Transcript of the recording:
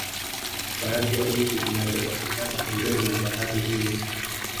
Baadhi ya nchi zinazopatikana pembeni mwa bahari hii ni